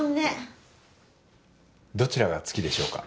どちらが月でしょうか？